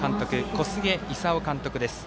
小菅勲監督です。